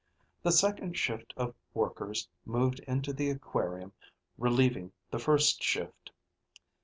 The second shift of workers moved into the aquarium, relieving the first shift.